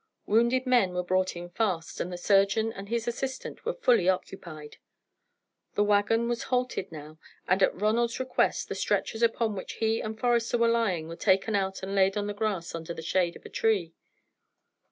Wounded men were brought in fast, and the surgeon and his assistant were fully occupied. The waggon was halted now, and at Ronald's request the stretchers upon which he and Forester were lying were taken out and laid on the grass under the shade of a tree.